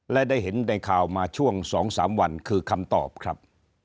และได้เห็นในข่าวมาช่วง๒๓วันคือคำตอบครับ